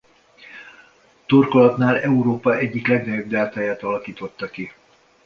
Torkolatánál Európa egyik legnagyobb deltáját alakította ki.